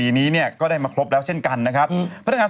นี้เนี่ยก็ได้มาครบแล้วเช่นกันนะครับพนักงาน